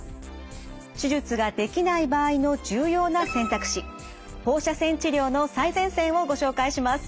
手術ができない場合の重要な選択肢放射線治療の最前線をご紹介します。